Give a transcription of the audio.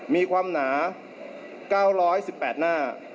มีความหนา๙๑๘หน้า